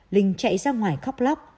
linh chạy ra ngoài khóc lóc